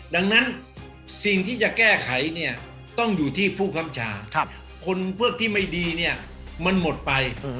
ดังนั้นสิ่งที่จะแก้ไขเนี่ยต้องอยู่ที่ผู้คำชาคนพวกที่ไม่ดีเนี่ยมันหมดไป